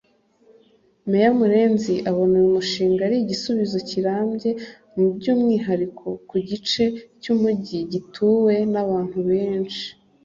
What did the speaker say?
Mayor Murenzi abona uyu mushinga ari igisubizo kirambye by’umwihariko ku gice cy’umujyi gituwe n’abantu benshi